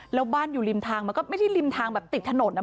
แล้วบ้านอยู่ริมทางมันก็ไม่ได้ริมทางแบบติดถนน